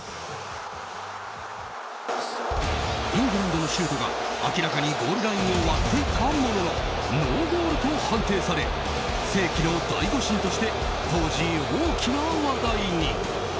イングランドのシュートが明らかにゴールラインを割っていたもののノーゴールと判定され世紀の大誤審として当時、大きな話題に。